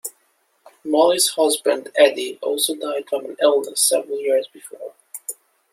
Molly's husband Eddie also died from an illness several years before.